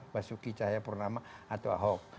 basuki cahaya purnama atau ahok